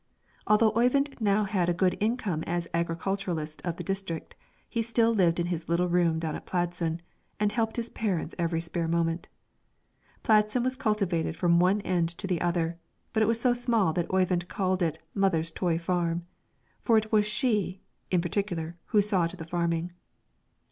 Although Oyvind now had a good income as agriculturist of the district, he still lived in his little room down at Pladsen, and helped his parents every spare moment. Pladsen was cultivated from one end to the other, but it was so small that Oyvind called it "mother's toy farm," for it was she, in particular, who saw to the farming.